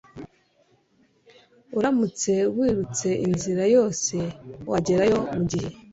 Uramutse wirutse inzira yose wagerayo mugihe